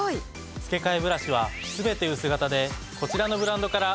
付替ブラシはすべて薄型でこちらのブランドから選べます。